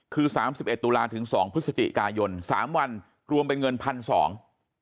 คือ๓๑ตุลาทถึง๒พฤศจิกายน๓วันรวมเป็นเงินพันสอง